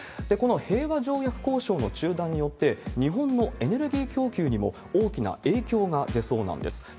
この平和条約交渉の中断によって、日本のエネルギー供給にも大きな影響が出そうなんです。